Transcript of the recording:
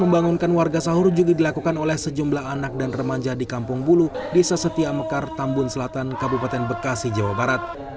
membangunkan warga sahur juga dilakukan oleh sejumlah anak dan remaja di kampung bulu desa setia mekar tambun selatan kabupaten bekasi jawa barat